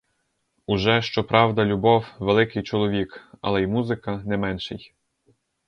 Уже, щоправда, любов — великий чоловік, але й музика — не менший!